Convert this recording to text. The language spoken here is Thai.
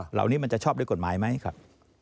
มันจะชอบด้วยกฎหมายไหมครับ